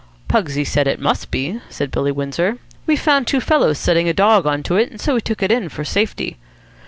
"Pugsy said it must be," said Billy Windsor. "We found two fellows setting a dog on to it, so we took it in for safety."